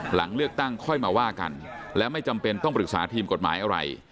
หลังเลือกตั้งค่อยมาว่ากันและไม่จำเป็นต้องปรึกษาทีมกฎหมายอะไร